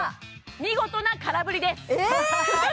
見事な空振りですえーっ！